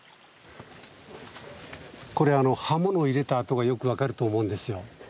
これ刃物入れた痕がよく分かると思うんですよ。